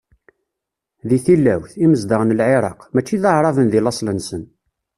Di tilawt, imezdaɣ n Lεiraq, mačči d Aεraben deg laṣel-nsen.